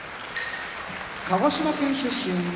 鹿児島県出身